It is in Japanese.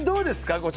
こちら。